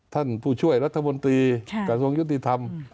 ท่านผู้ช่วยรัฐมนตรีกระทรวงยุติธรรม